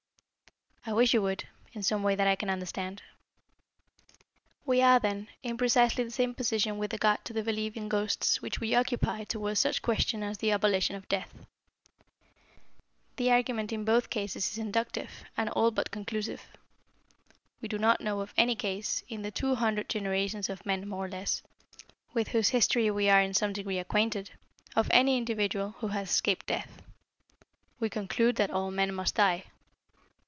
"I wish you would, in some way that I can understand." "We are, then, in precisely the same position with regard to the belief in ghosts which we occupy towards such questions as the abolition of death. The argument in both cases is inductive and all but conclusive. We do not know of any case, in the two hundred generations of men, more or less, with whose history we are in some degree acquainted, of any individual who has escaped death. We conclude that all men must die.